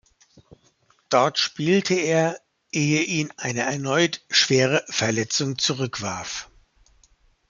Dort spielte er, ehe ihn eine erneut schwere Verletzung zurückwarf.